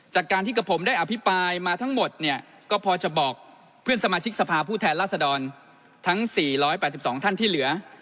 จากการที่กับผมได้อภิปรายมาทั้งหมดเนี่ยก็พอจะบอกเพื่อนสมาชิกสภาพผู้แทนราษฎรทั้ง๔๘๒ท่านที่เหลือ